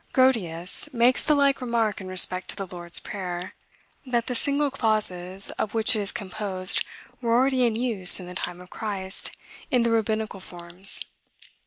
Grotius makes the like remark in respect to the Lord's Prayer, that the single clauses of which it is composed were already in use, in the time of Christ, in the rabbinical forms.